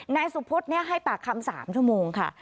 นายสุพธให้ปากคำ๓ชั่วโมงค่ะ